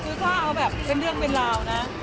คือถ้าเอาแบบเป็นเรื่องเป็นราวนะ